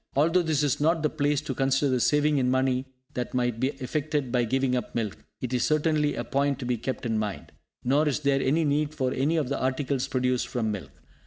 Although this is not the place to consider the saving in money that might be effected by giving up milk, it is certainly a point to be kept in mind. Nor is there any need for any of the articles produced from milk.